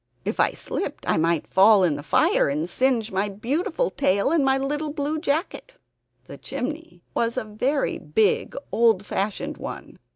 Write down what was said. If I slipped I might fall in the fire and singe my beautiful tail and my little blue jacket." The chimney was a very big old fashioned one.